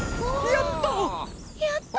やったわ！